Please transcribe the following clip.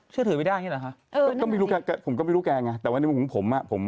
เชื่อถือไม่ได้อย่างนี้เหรอคะ